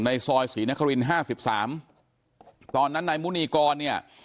ในซอยศรีนครินทร์๕๓ตอนนั้นนายมูนีกรเนี่ย